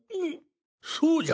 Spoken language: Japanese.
そうじゃ！